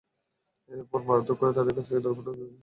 এরপর মারধর করে তাঁদের কাছ থেকে দরপত্র দুটি ছিনিয়ে নিয়ে যান।